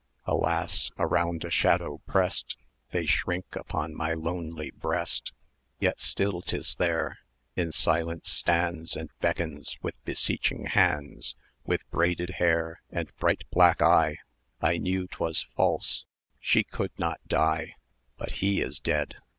Alas! around a shadow prest They shrink upon my lonely breast; Yet still 'tis there! In silence stands, And beckons with beseeching hands! With braided hair, and bright black eye 1300 I knew 'twas false she could not die! But he is dead!